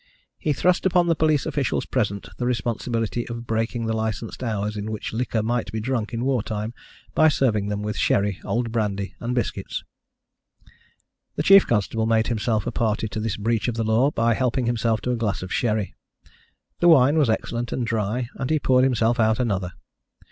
He thrust upon the police officials present the responsibility of breaking the licensed hours in which liquor might be drunk in war time by serving them with sherry, old brandy, and biscuits. The chief constable made himself a party to this breach of the law by helping himself to a glass of sherry. The wine was excellent and dry, and he poured himself out another.